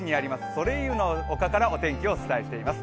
ソレイユの丘からお天気をお伝えしています。